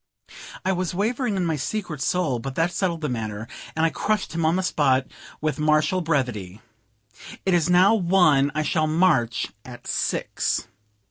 I was wavering in my secret soul, but that settled the matter, and I crushed him on the spot with martial brevity "It is now one; I shall march at six."